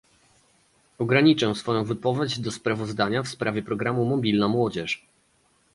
Ograniczę swoją wypowiedź do sprawozdania w sprawie programu "Mobilna młodzież"